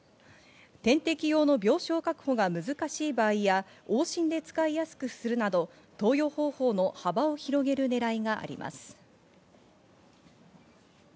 点滴用の病床確保が難しい場合や、往診で使いやすくするなど、投与方法の幅を広げるねらいがあります。